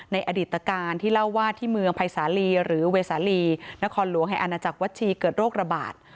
อดีตการที่เล่าว่าที่เมืองภัยสาลีหรือเวสาลีนครหลวงแห่งอาณาจักรวัชชีเกิดโรคระบาด